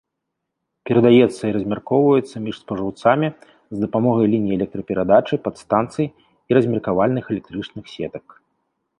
Перадаецца і размяркоўваецца між спажыўцамі з дапамогай ліній электраперадачы, падстанцый і размеркавальных электрычных сетак.